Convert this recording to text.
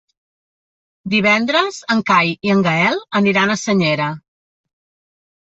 Divendres en Cai i en Gaël aniran a Senyera.